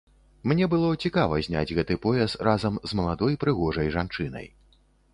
Мне было цікава зняць гэты пояс разам з маладой прыгожай жанчынай.